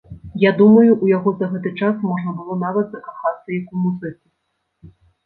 Я думаю, у яго за гэты час можна было нават закахацца як у музыку.